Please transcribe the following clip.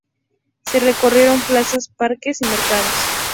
Se recorrieron plazas, parques y mercados.